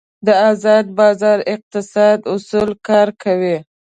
د ازاد بازار اقتصاد اصول کار کوي.